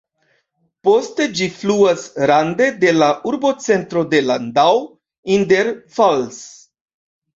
Poste ĝi fluas rande de la urbocentro de Landau in der Pfalz.